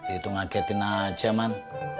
itu ngagetin aja man